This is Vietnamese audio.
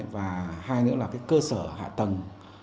và hai nữa là cái cơ sở hạ tầng